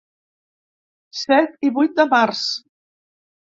Set i vuit de març.